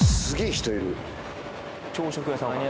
朝食屋さんかな？